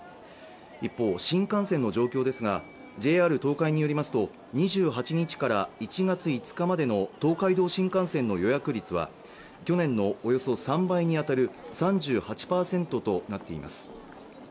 一方新幹線の状況ですがＪＲ東海によりますと２８日から１月５日までの東海道新幹線の予約率は去年のおよそ３倍にあたる３８％となっています